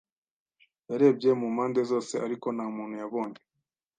Yarebye mu mpande zose, ariko nta muntu yabonye.